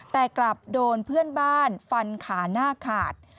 แต่กลับโดนเพื่อนบ้านฟันขาหน้าขาด